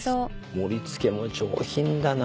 盛り付けも上品だな。